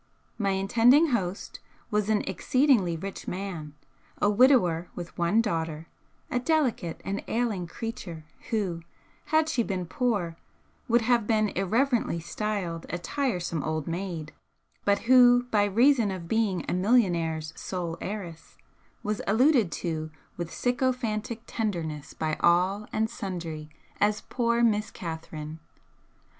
My intending host was an exceedingly rich man, a widower with one daughter, a delicate and ailing creature who, had she been poor, would have been irreverently styled 'a tiresome old maid,' but who by reason of being a millionaire's sole heiress was alluded to with sycophantic tenderness by all and sundry as 'Poor Miss Catherine.'